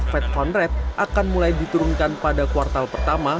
fed fund rate akan mulai diturunkan pada kuartal pertama